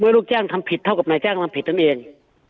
เมื่อลูกจ้างทำผิดเท่ากับนายจ้างรับผิดตัวเอง